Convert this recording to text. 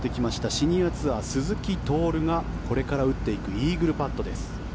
シニアツアー、鈴木亨がこれから打っていくイーグルパットです。